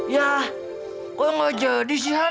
yah kok gak jadi sih han